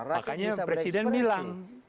makanya presiden bilang